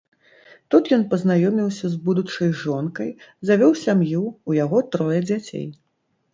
Тут ён пазнаёміўся з будучай жонкай, завёў сям'ю, у яго трое дзяцей.